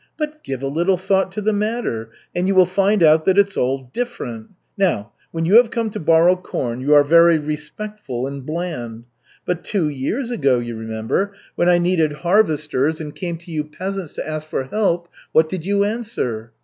But give a little thought to the matter, and you will find out that it's all different. Now when you have come to borrow corn you are very respectful and bland. But two years ago, you remember, when I needed harvesters and came to you peasants to ask for help, what did you answer?